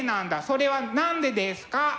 それは何でですか？